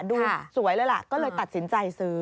ดูสวยเลยล่ะก็เลยตัดสินใจซื้อ